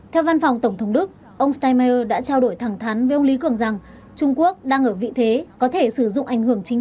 theo văn phòng tổng thống đức ông stemmer đã trao đổi thẳng thắn với ông lý cường rằng trung quốc đang ở vị thế có thể sử dụng ảnh hưởng chính